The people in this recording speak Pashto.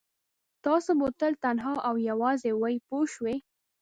تاسو به تل تنها او یوازې وئ پوه شوې!.